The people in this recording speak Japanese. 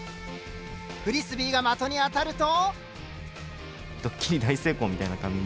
フリスビーが的に当たると。